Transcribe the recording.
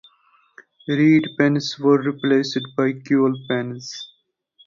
Reed pens were replaced by quill pens.